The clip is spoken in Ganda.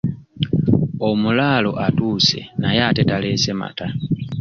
Omulaalo atuuse naye ate taleese mata.